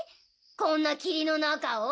こんな霧の中を？